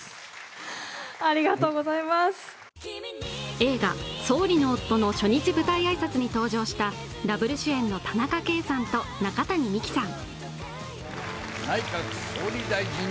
映画「総理の夫」の初日舞台挨拶に登場したダブル主演の田中圭さんと中谷美紀さん。